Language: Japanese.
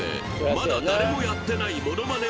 まだ誰もやってない”モノマネ